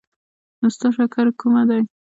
نو ستا شکر کومه دی؟